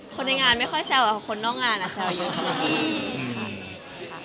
คนในงานไม่ค่อยแซวกับคนนอกงานแซวเยอะ